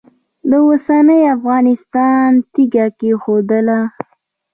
د اوسني افغانستان تیږه کښېښودله.